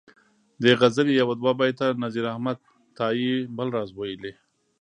دې غزلي یو دوه بیته نذیر احمد تائي بل راز ویلي.